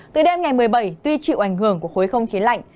từ đêm ngày một mươi bảy tuy chịu ảnh hưởng của khối không khí lạnh